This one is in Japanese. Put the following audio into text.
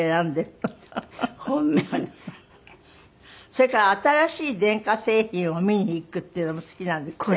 それから新しい電化製品を見に行くっていうのも好きなんですって？